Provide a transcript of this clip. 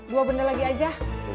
dua benda lagi aja